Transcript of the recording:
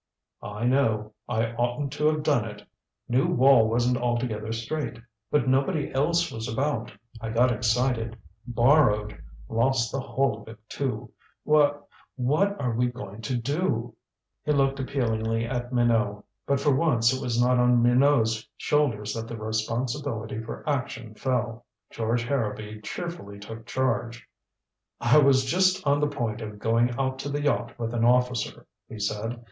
"I know. I oughtn't to have done it. Knew Wall wasn't altogether straight. But nobody else was about I got excited borrowed lost the whole of it, too. Wha what are we going to do?" He looked appealingly at Minot. But for once it was not on Minot's shoulders that the responsibility for action fell. George Harrowby cheerfully took charge. "I was just on the point of going out to the yacht, with an officer," he said.